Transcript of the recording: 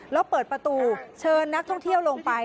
แล้วเปิดประตูเชิญนักท่องเที่ยวลงไป